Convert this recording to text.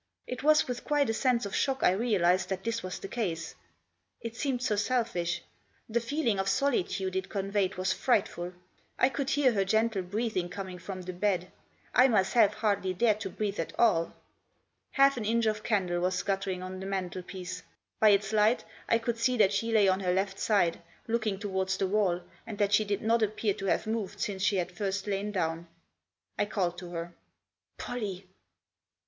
It was with quite a sense of shock I realised that this was the case. It seemed so selfish. The feeling of solitude it conveyed was frightful. I could hear her gentle breathing coming from the bed ; I myself hardly dared to breathe at all. Half an inch of candle was guttering on the mantelpiece. By its light I could see that she lay on her left side, looking to wards the wall, and that she did not appear to have moved since she had first lain down. I called to her :" Pollie